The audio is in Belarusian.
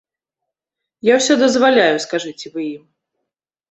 Я ўсё дазваляю, скажыце вы ім!